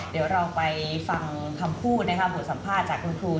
เดี๋ยวเราไปฟังคำพูดนะคะบทสัมภาษณ์จากคุณครู